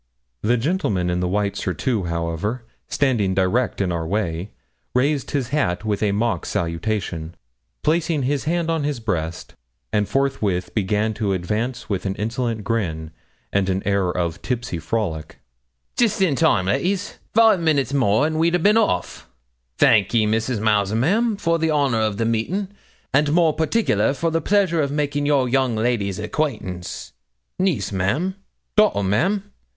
The gentleman in the white surtout, however, standing direct in our way, raised his hat with a mock salutation, placing his hand on his breast, and forthwith began to advance with an insolent grin and an air of tipsy frolic. 'Jist in time, ladies; five minutes more and we'd a bin off. Thankee, Mrs. Mouser, ma'am, for the honour of the meetin', and more particular for the pleasure of making your young lady's acquaintance niece, ma'am? daughter, ma'am?